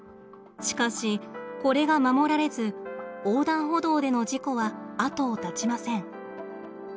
しかしこれが守られず横断歩道での事故は後を絶ちません。